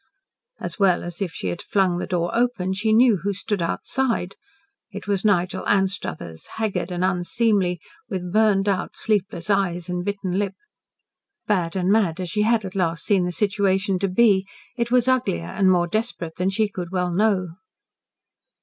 As well as if she had flung the door open, she knew who stood outside. It was Nigel Anstruthers, haggard and unseemly, with burned out, sleepless eyes and bitten lip. Bad and mad as she had at last seen the situation to be, it was uglier and more desperate than she could well know.